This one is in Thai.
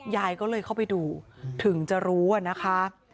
ยายก็เลยเข้าไปดูถึงจะรู้อะนะคะ